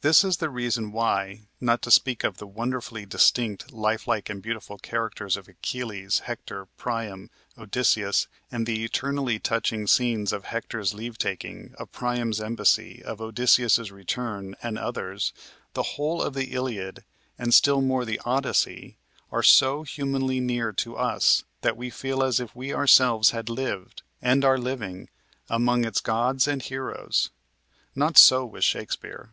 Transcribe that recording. This is the reason why, not to speak of the wonderfully distinct, lifelike, and beautiful characters of Achilles, Hector, Priam, Odysseus, and the eternally touching scenes of Hector's leave taking, of Priam's embassy, of Odysseus's return, and others the whole of the "Iliad" and still more the "Odyssey" are so humanly near to us that we feel as if we ourselves had lived, and are living, among its gods and heroes. Not so with Shakespeare.